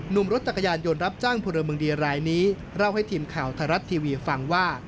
ุ่มรถจักรยานยนต์รับจ้างพลเมืองดีรายนี้เล่าให้ทีมข่าวไทยรัฐทีวีฟังว่า